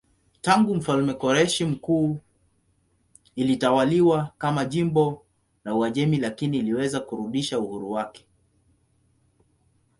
Tangu mfalme Koreshi Mkuu ilitawaliwa kama jimbo la Uajemi lakini iliweza kurudisha uhuru wake.